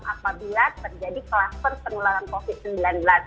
apabila terjadi kluster penularan covid sembilan belas